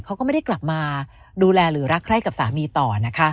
เขาก็ไม่ได้กลับมาดูแลหรือรักใคร่กับสามีต่อนะคะ